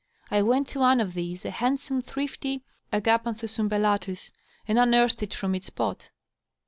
I went to one of these, a handsome, thrifty AgapanJthus umbeUatuSf and unearthed it from its pot.